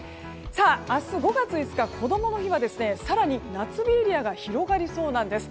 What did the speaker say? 明日、５月５日こどもの日は更に夏日エリアが広がりそうなんです。